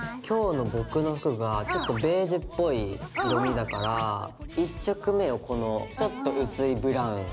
今日の僕の服がちょっとベージュっぽい色みだから１色目をこのちょっと薄いブラウン。